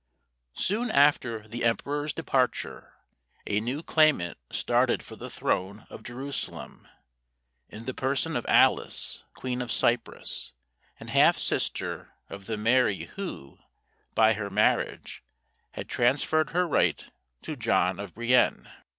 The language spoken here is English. Soon after the emperor's departure a new claimant started for the throne of Jerusalem, in the person of Alice queen of Cyprus, and half sister of the Mary who, by her marriage, had transferred her right to John of Brienne.